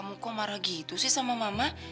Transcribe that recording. aku marah gitu sih sama mama